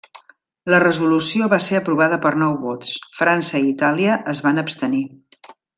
La resolució va ser aprovada per nou vots; França i Itàlia es van abstenir.